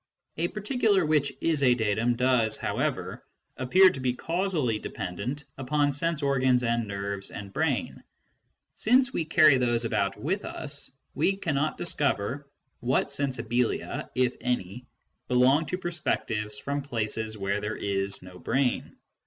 A particular which is a datum does, however, appear to be casually dependent upon sense organs and nerves and brain. Since we carry those about with us, we can not discover what sensibilia, if any, belong to perspectives from places where there is no brain.